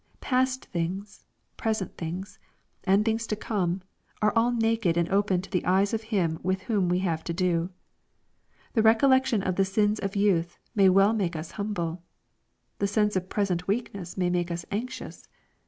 Past things, present things, and things to come, are all naked and open to the eyes of Him with whom we have to do. The recol lection of the sins of youth may well make us humble. The sense of present weakness may make us anxious.